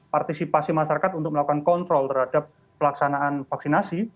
partisipasi masyarakat untuk melakukan kontrol terhadap pelaksanaan vaksinasi